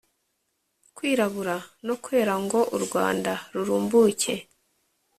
kwirabura no kwera ngo u rwanda rurumbuke.